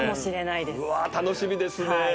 うわ楽しみですね。